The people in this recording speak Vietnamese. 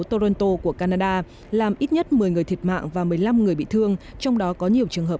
toronto của canada làm ít nhất một mươi người thiệt mạng và một mươi năm người bị thương trong đó có nhiều trường hợp